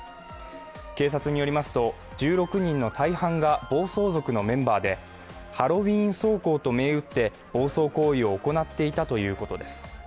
警察によりますと、１６人の大半が暴走族のメンバーでハロウィーン走行と銘打って暴走行為を行っていたということです。